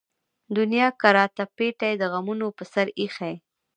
دنيا کۀ راته پېټے د غمونو پۀ سر اېښے